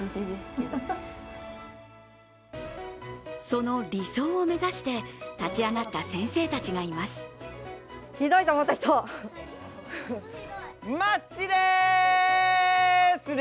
その理想を目指して立ち上がった先生たちがいます。